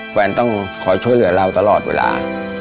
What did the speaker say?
แฟนต้องคอยช่วยเหลือเราตลอดเวลา